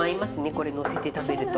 これのせて食べると。